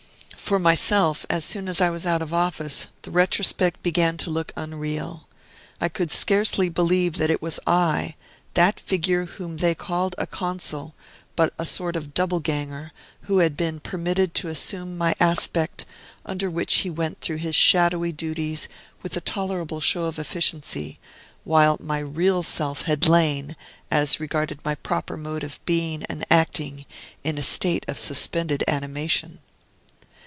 For myself, as soon as I was out of office, the retrospect began to look unreal. I could scarcely believe that it was I, that figure whom they called a Consul, but a sort of Double Ganger, who had been permitted to assume my aspect, under which he went through his shadowy duties with a tolerable show of efficiency, while my real self had lain, as regarded my proper mode of being and acting, in a state of suspended animation.